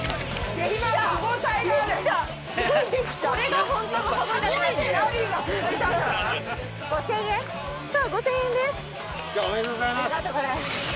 ありがとうございます。